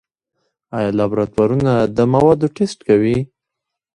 آیا لابراتوارونه د موادو ټسټ کوي؟